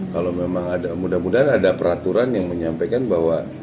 kalau memang ada mudah mudahan ada peraturan yang menyampaikan bahwa